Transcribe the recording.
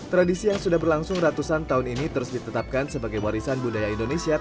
tradisi yang sudah berlangsung ratusan tahun ini terus ditetapkan sebagai warisan budaya indonesia